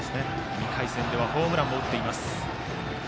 ２回戦ではホームランも打っています。